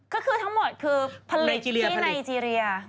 ก็คือทั้งหมดคือผลิตที่ไนเกรียไนเกรีย